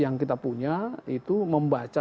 yang kita punya itu membaca